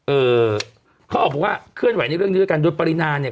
เอ่อเขาบอกว่าเคลื่อนไหวในเรื่องนี้ด้วยกันโดยปรินาเนี่ย